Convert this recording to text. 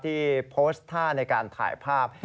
ที่โพสต์ท่าในการถ่ายภาพ